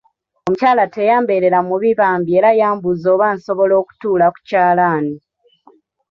Omukyala teyambeerera mubi bambi era yambuuza oba nsobola okutuula ku kyalaani.